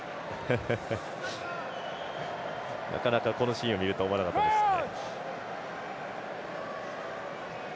なかなかこのシーンが見れると思わなかったですね。